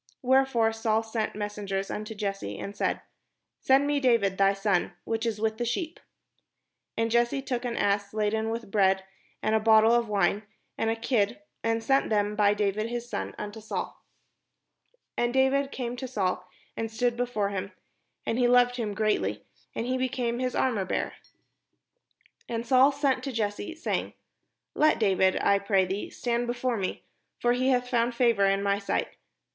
Wherefore Saul sent messengers imto Jesse, and said : "Send me David thy son, which is with the sheep." And Jesse took an ass laden with bread, and a bottle of wine, and a kid, and sent them by David his son unto Saul. And David came to Saul, and stood before him : and he loved him greatly; and he became his armourbearer. And Saul sent to Jesse, saying, "Let David, I pray thee, stand before me; for he hath found favour in my sight."